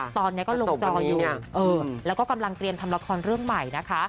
ตอนนี้ก็ลงจออยู่แล้วก็กำลังเตรียมทำละครเรื่องใหม่นะคะ